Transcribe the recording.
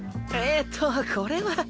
えっとこれは。